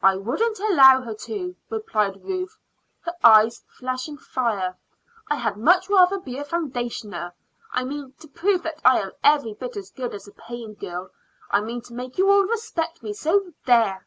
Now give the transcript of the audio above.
"I wouldn't allow her to," replied Ruth, her eyes flashing fire. "I had much rather be a foundationer. I mean to prove that I am every bit as good as a paying girl. I mean to make you all respect me, so there!"